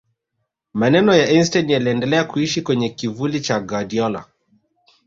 maneno ya einstein yaliendelea kuishi kwenye kivuli cha guardiola